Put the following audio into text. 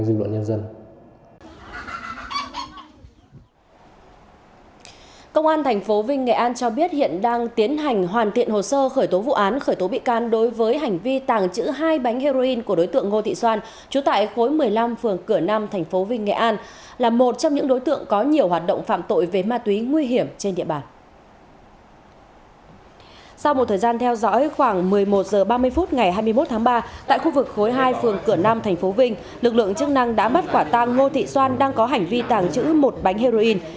sau một thời gian theo dõi khoảng một mươi một h ba mươi phút ngày hai mươi một tháng ba tại khu vực khối hai phường cửa nam thành phố vinh lực lượng chức năng đã bắt quả tang ngô thị xoan đang có hành vi tàng trữ một bánh heroin